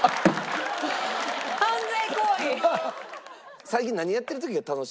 犯罪行為！